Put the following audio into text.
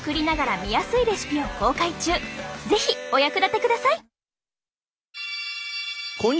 是非お役立てください。